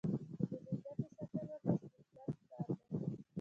خو د دې ګټې ساتل ورته ستونزمن کار دی